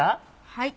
はい！